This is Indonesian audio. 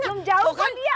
belum jauh kan dia